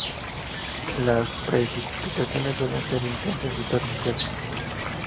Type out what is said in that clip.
Las precipitaciones suelen ser intensas y torrenciales.